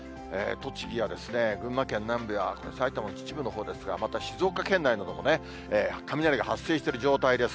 栃木や群馬県南部や、埼玉の秩父のほうですが、また静岡県内なども雷が発生している状態です。